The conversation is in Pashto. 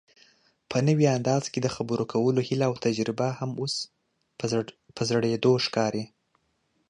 په نوي انداز کې دخبرو کولو هيله اوتجربه هم اوس په زړېدو ښکاري